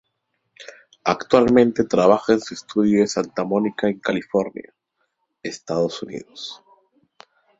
Actualmente trabaja en su estudio de Santa Mónica en California, Estados Unidos.